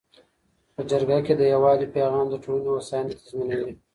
په جرګه کي د یووالي پیغام د ټولنې هوساینه تضمینوي.